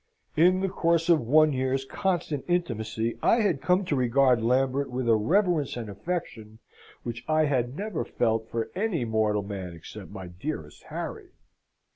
In the course of one year's constant intimacy I had come to regard Lambert with a reverence and affection which I had never before felt for any mortal man except my dearest Harry.